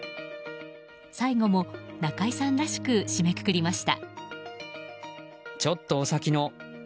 最後も中居さんらしく締めくくりました。